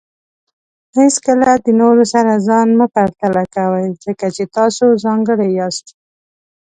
هیڅکله د نورو سره ځان نه پرتله کوئ، ځکه چې تاسو ځانګړي یاست.